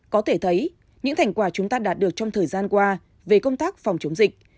có thể thấy những thành quả chúng ta đạt được trong thời gian qua về công tác phòng chống dịch